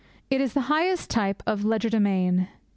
It is the highest type of legerdemain.